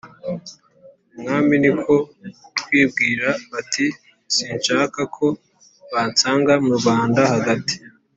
umwami niko kwibwira bati: “sinshaka ko bansanga mu rwanda hagati,